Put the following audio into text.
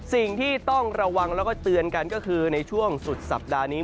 สิ่งที่ต้องระวังแล้วก็เตือนกันก็คือในช่วงสุดสัปดาห์นี้